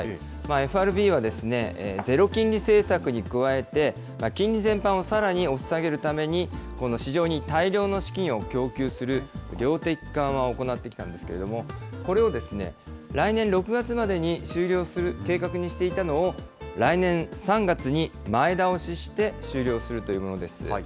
ＦＲＢは、ゼロ金利政策に加えて、金利全般をさらに押し下げるために、この市場に大量の資金を供給する、量的緩和を行ってきたんですけれども、これを来年６月までに終了する計画にしていたのを、来年３月に前倒しして終了するというものです。